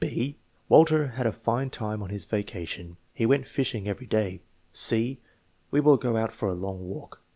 (6) " Walter had a fine time on his vacation. He went fishing every day." (c) "We mil go out for a long walk.